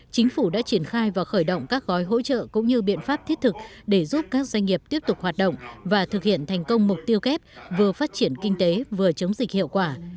chính phủ đã triển khai và khởi động các gói hỗ trợ cũng như biện pháp thiết thực để giúp các doanh nghiệp tiếp tục hoạt động và thực hiện thành công mục tiêu kép vừa phát triển kinh tế vừa chống dịch hiệu quả